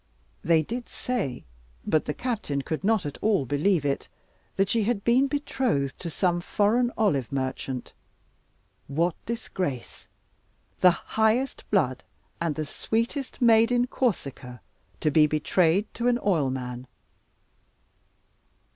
They did say, but the captain could not at all believe it, that she had been betrothed to some foreign olive merchant. What disgrace! The highest blood and the sweetest maid in Corsica, to be betrayed to an oilman!